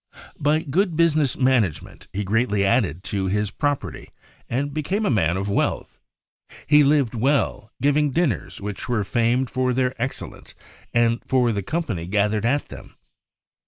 By good business management he greatly added to his property and became a man of wealth. He lived well, giv ing dinners which were famed for their excellence and for the company gathered at them.